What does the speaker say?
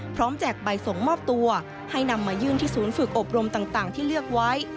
แจกใบส่งมอบตัวให้นำมายื่นที่ศูนย์ฝึกอบรมต่างที่เลือกไว้